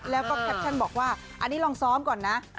แล้วก็แคปชั่นบอกว่าอันนี้ลองซ้อมก่อนนะ